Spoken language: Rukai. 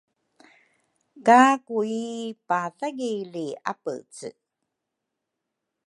ka Kui pathagili apece.